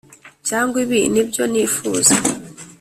cyangwa ibi nibyo nifuza